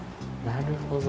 なるほど。